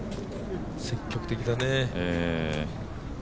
積極的だね。